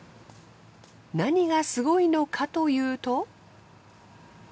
何がすごいのかというと。